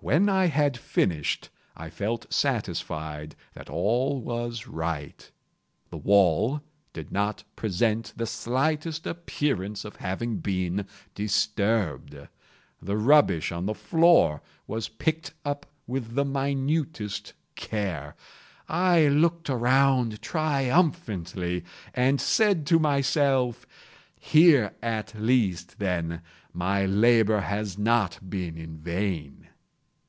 When I had finished, I felt satisfied that all was right. The wall did not present the slightest appearance of having been disturbed. The rubbish on the floor was picked up with the minutest care. I looked around triumphantly, and said to myself: "Here at least, then, my labor has not been in vain."